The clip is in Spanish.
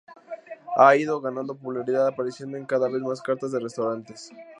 Ha ido ganando popularidad, apareciendo en cada vez más cartas de restaurantes.